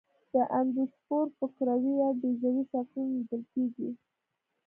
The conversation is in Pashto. دا اندوسپور په کروي یا بیضوي شکلونو لیدل کیږي.